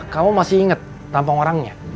kamu masih ingat tampang orangnya